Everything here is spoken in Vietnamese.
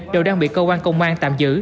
đều đang bị cơ quan công an tạm giữ